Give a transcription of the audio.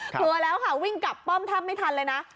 เผื่อแล้วค่ะวิ่งกลับป้อมท่ำไม่ทันเลยนะ